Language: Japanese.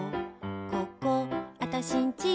ここ、あたしんち